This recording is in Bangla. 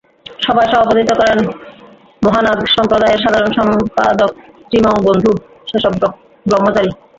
সভায় সভাপতিত্ব করেন মহানাদ সম্প্রদায়ের সাধারণ সম্পাদক শ্রীমৎ বন্ধু সেবক ব্রহ্মচারী।